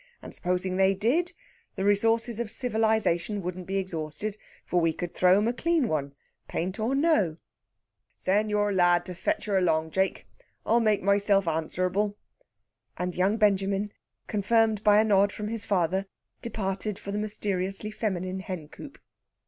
And supposing they did, the resources of civilisation wouldn't be exhausted, for we could throw 'em a clean one paint or no. "Send your lad to fetch her along, Jake. I'll make myself answerable." And young Benjamin, confirmed by a nod from his father, departed for the mysteriously feminine hencoop.